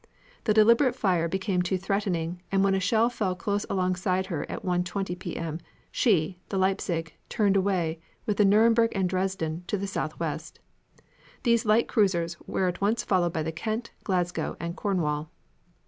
The deliberate fire became too threatening, and when a shell fell close alongside her at 1.20 p. m. she, the Leipsig, turned away, with the Nuremburg and Dresden, to the southwest. These light cruisers were at once followed by the Kent, Glasgow and Cornwall.